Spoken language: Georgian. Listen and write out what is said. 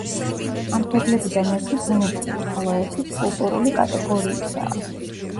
ამ ძეგლებიდან ერთი ბუნებრივი, ხოლო ერთიც კულტურული კატეგორიისაა.